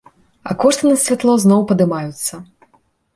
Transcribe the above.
А кошты на святло зноў падымаюцца!